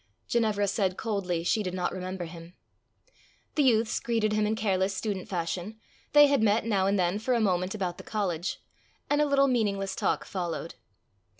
Ginevra said coldly she did not remember him. The youths greeted him in careless student fashion: they had met now and then for a moment about the college; and a little meaningless talk followed.